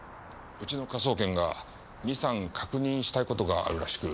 うちの科捜研が二三確認したい事があるらしく。